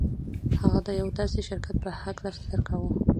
هغه د یوه داسې شرکت په هکله فکر کاوه